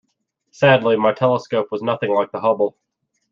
Sadly my telescope was nothing like the Hubble.